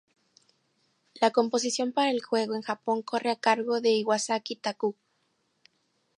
La composición para el juego en Japón corre a cargo de Iwasaki Taku.